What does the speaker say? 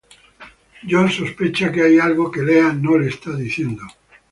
John sospecha que hay algo que Lea no le está diciendo.